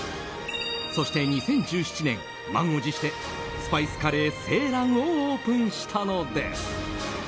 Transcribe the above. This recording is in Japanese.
そして２０１７年、満を持してスパイスカレー青藍をオープンしたのです。